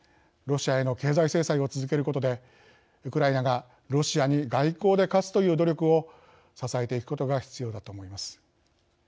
ロシアへの経済制裁を続けることでウクライナがロシアに外交で勝つという努力を支えていくことが必要だと思います。